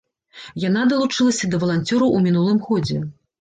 Яна далучылася да валанцёраў у мінулым годзе.